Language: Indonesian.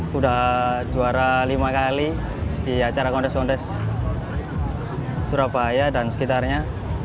sudah juara lima kali di acara kontes kontes surabaya dan sekitarnya